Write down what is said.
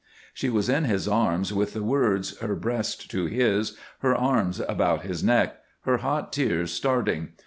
She was in his arms with the words, her breast to his, her arms about his neck, her hot tears starting.